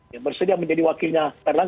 yang bersedia menjadi wakilnya